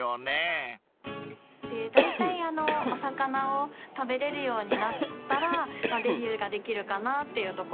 だいたいあのうお魚を食べれるようになったらデビューができるかなっていうところで。